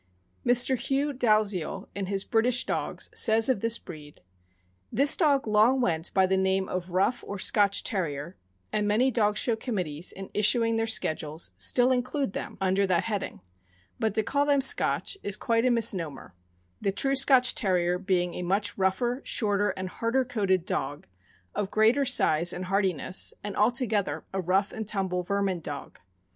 Mr. Hugh Dalziel, in his "British Dogs," says of this breed : This dog long went by the name of Rough or Scotch Terrier, and many dog show committees in issuing their schedules still include them under that THE YORKSHIRE TERRIER. 439 heading; but to call them Scotch is quite a misnomer, the true Scotch Terrier being a much rougher, shorter, and harder coated dog, of greater size and hardiness, and altogether a rough and tumble vermin dog.